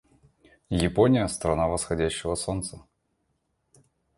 Япония — страна восходящего солнца.